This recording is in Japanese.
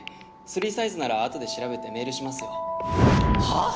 スリーサイズならあとで調べてメールしますよはぁ？